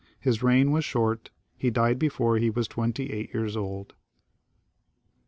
His reign was short; he died before he was twenty eight years old.